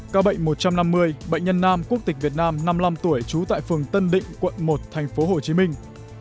ca bệnh một trăm năm mươi bệnh nhân nam quốc tịch việt nam năm mươi năm tuổi trú tại phường tân định quận một thành phố hồ chí minh